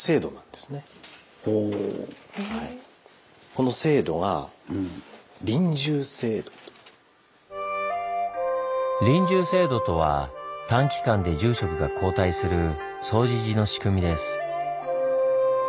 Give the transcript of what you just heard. この制度が輪住制度とは短期間で住職が交代する總持寺の仕組みです。